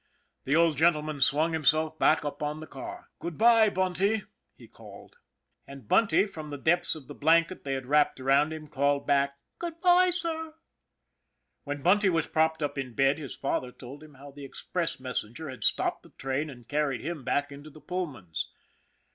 The old gentleman swung himself back upon the car. " Good by, Bunty! " he called. ! 42 ON THE IRON AT BIG CLOUD And Bunty, from the depths of the blanket they had wrapped around him, called back, " Good by, sir !" When Bunty was propped up in bed, his father told him how the express messenger had stopped the train and carried him back into the Pullmans.